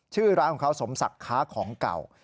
ชื่อร้านของเขาสมศักดิ์ค้าของเก่า